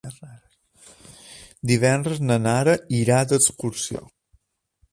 Divendres na Nara irà d'excursió.